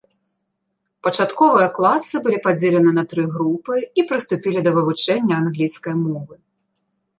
Пачатковыя класы былі падзелены на тры групы і прыступілі да вывучэння англійскай мовы.